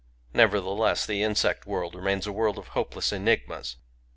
Nevertheless the insect world remains a world of hopeless enigmas.